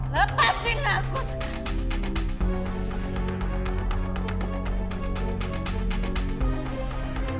lepasinlah aku sekali